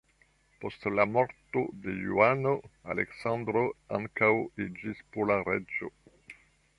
Post la morto de Johano, Aleksandro ankaŭ iĝis pola reĝo.